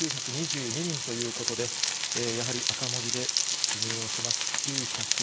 ９２２人ということで、やはり赤文字で記入をします。